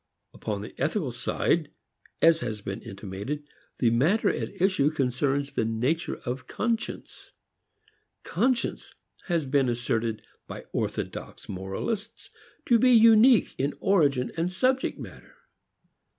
Upon the ethical side, as has been intimated, the matter at issue concerns the nature of conscience. Conscience has been asserted by orthodox moralists to be unique in origin and subject matter.